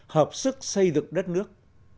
hợp sức xây dựng đất nước